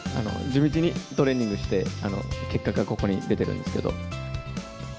地道にトレーニングして、結果がここに出てるんですけど。